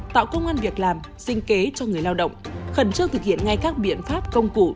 tạo công an việc làm sinh kế cho người lao động khẩn trương thực hiện ngay các biện pháp công cụ